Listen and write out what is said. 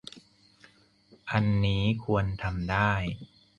อันนี้ควรทำได้